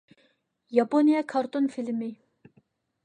ياپونىيە كارتون فىلىمى